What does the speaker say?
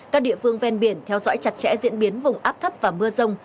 các địa phương ven biển theo dõi chặt chẽ diễn biến vùng áp thấp và mưa rông